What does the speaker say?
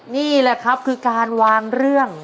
นี่แหละครับคือการวางเรื่อง